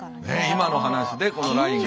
今の話でこのラインが。